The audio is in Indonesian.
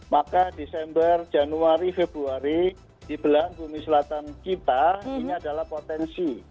maka desember januari februari di belahan bumi selatan kita ini adalah potensi